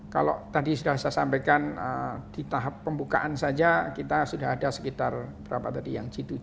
kalau tadi sudah saya sampaikan di tahap pembukaan saja kita sudah ada sekitar berapa tadi yang g dua puluh